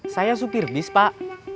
saya supir bis pak